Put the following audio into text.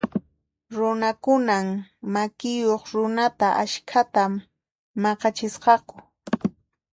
Runakunan makiyuq runata askhata maq'achisqaku.